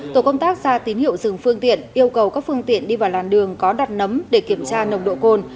tổ công tác ra tín hiệu dừng phương tiện yêu cầu các phương tiện đi vào làn đường có đặt nấm để kiểm tra nồng độ cồn